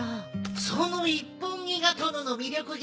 その一本気が殿の魅力ゲコ。